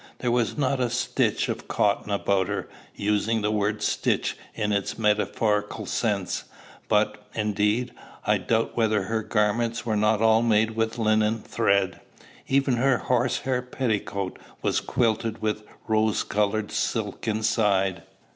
There was not a stitch of cotton about her, using the word stitch in its metaphorical sense. But, indeed, I doubt whether her garments were not all made with linen thread. Even her horse hair petticoat was quilted with rose colored silk inside.